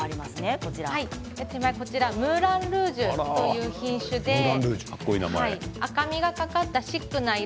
実はムーランルージュという品種です。